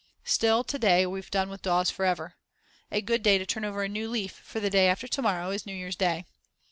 Still, to day we've done with dolls for ever. A good day to turn over a new leaf, for the day after to morrow is New Year's Day.